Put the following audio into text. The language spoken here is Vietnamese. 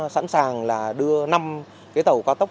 sẵn sàng đưa năm tàu cao tốc